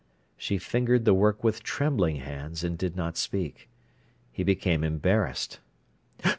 She fingered the work with trembling hands, and did not speak. He became embarrassed.